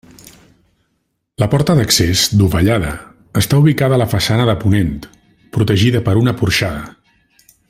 La porta d'accés, dovellada, està ubicada a la façana de ponent, protegida per una porxada.